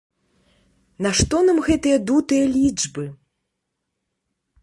Нашто нам гэтыя дутыя лічбы?